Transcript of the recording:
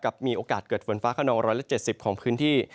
มีโอกาสเกิดฝนฟ้าขนอง๑๗๐ของพื้นที่